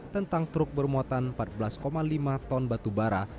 tentang truk bermuatan empat belas lima ton batu bara